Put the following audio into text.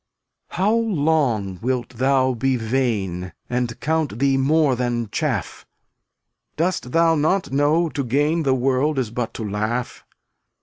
276 How long wilt thou be vain And count thee more than chaff? Dost thou not know to gain The world is but to laugh?